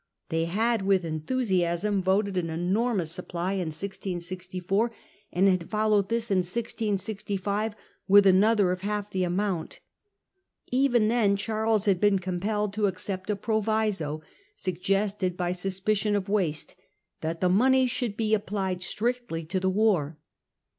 They had with en tio'nof na " thusiasm voted an enormous supply in 1664, supplies. and had followed this, in 1665, with another of half the amount. Even then Charles had been compelled to accept a proviso, sug^sted by suspicion of waste, that the money should be applied strictly to the war.